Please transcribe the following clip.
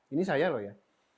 ini saya loh ya